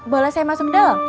boleh saya masuk del